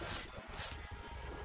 guru bidro sudah selesai berwawahan